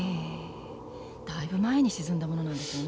だいぶ前に沈んだものなんでしょうね？